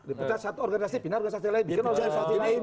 dipecat satu organisasi pindah organisasi lain